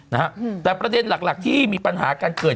นะฮะอืมแต่ประเด็นหลักหลักที่มีปัญหาการเกิด